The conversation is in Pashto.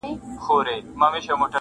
کومول هم د څه انعام لپاره تم سو،